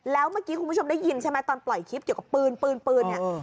แล้วเมื่อกี้คุณผู้ชมได้ยินใช่ไหมตอนปล่อยคลิปเกี่ยวกับปืนปืนเนี่ย